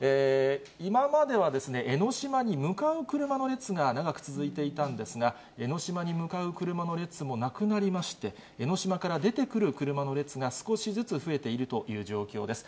今までは江の島に向かう車の列が長く続いていたんですが、江の島に向かう車の列もなくなりまして、江の島から出てくる車の列が少しずつ増えているという状況です。